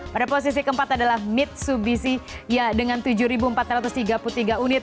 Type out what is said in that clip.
pada posisi keempat adalah mitsubishi dengan tujuh empat ratus tiga puluh tiga unit